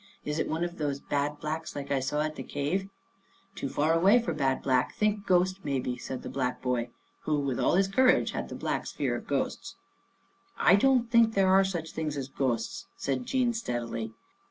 " Is it one of those bad Blacks like I saw at the cave? "" Too far away for bad Black, think ghost, maybe," said the black boy, who, with all his courage, had the Black's fear of ghosts. " I don't think there are such things as ghosts," said Jean steadily.